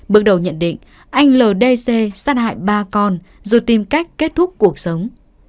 bước đầu nhận định anh ldc sát hại ba con rồi tìm cách kết thúc cuộc sống